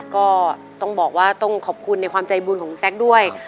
ก็ต้องบอกว่าต้องขอบคุณในความใจบุญของคุณแซคด้วย